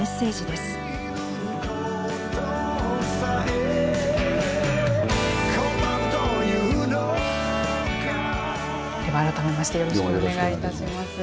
では改めましてよろしくお願いいたします。